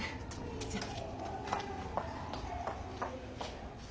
じゃあ。